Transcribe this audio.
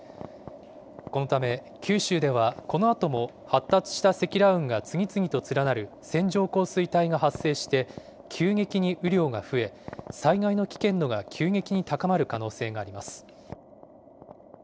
このため九州では、このあとも発達した積乱雲が次々と連なる線状降水帯が発生して、急激に雨量が増え、災害の危険度が急激に高まる可能性があります。